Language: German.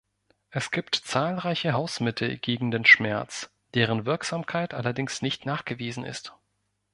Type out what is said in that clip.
Es gibt zahlreiche Hausmittel gegen den Schmerz, deren Wirksamkeit allerdings nicht nachgewiesen ist.